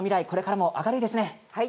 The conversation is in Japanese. これからも明るいですね。